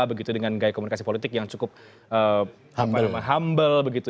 begitu dengan gaya komunikasi politik yang cukup humble begitu